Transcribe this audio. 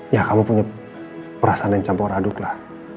ya kamu punya perasaan dan campur aduk lah